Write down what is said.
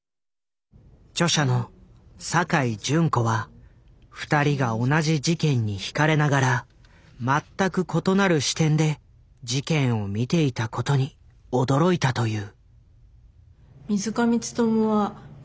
著者の酒井順子は２人が同じ事件にひかれながら全く異なる視点で事件を見ていたことに驚いたという。